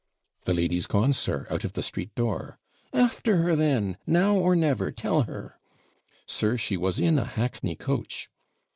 'The lady's gone, sir, out of the street door.' 'After her, then now or never, tell her.' 'Sir, she was in a hackney coach.'